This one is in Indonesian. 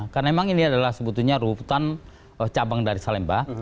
karena memang ini adalah sebetulnya rutan cabang dari salemba